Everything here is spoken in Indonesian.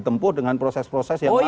ditempuh dengan proses proses yang lain